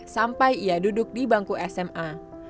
sampai ia duduk di bangku sma